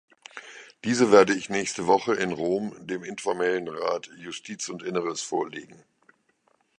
Diese werde ich nächste Woche in Rom dem informellen Rat Justiz und Inneres vorlegen.